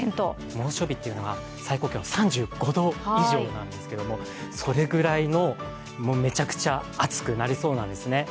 猛暑日というのは最高気温３５度以上なんですけどそれぐらいのめちゃくちゃ暑くなりそうなんですね。